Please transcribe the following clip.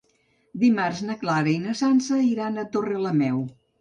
Dimarts na Carla i na Sança iran a Torrelameu.